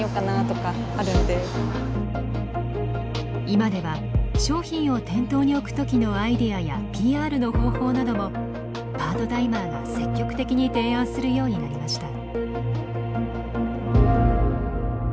今では商品を店頭に置く時のアイデアやＰＲの方法などもパートタイマーが積極的に提案するようになりました。